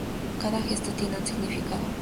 Cada gesto tiene un significado.